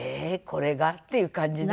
これが？っていう感じです。